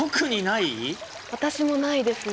私もないですね。